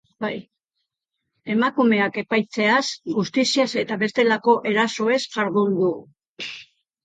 Emakumeak epaitzeaz, justiziaz eta bestelako erasoez jardun du.